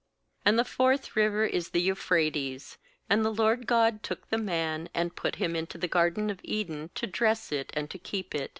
And the fourth river is the Euphrates. "And the LORD God took the man, and put him into the garden of Eden to dress it and to keep it.